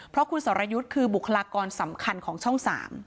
เพราะคุณสรยุทธ์คือบุคลากรสำคัญของช่อง๓